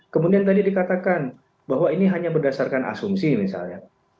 kemudian tadi dikatakan bahwa ini hanya berdasarkan asumsi misalnya